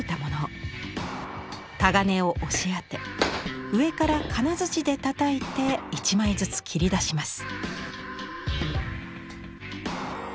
鏨を押し当て上から金づちでたたいて１枚ずつ切り出します。